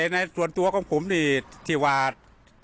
ในส่วนตัวของผมนี่ที่วาด